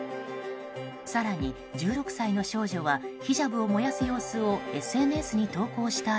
更に１６歳の少女はヒジャブを燃やす様子をＳＮＳに投稿した